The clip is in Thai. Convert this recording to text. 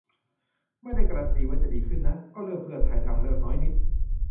ไม่ได้การันตีว่าจะดีขึ้นนะ ก็เลือกเพื่อไทย; ทางเลือกน้อยนิด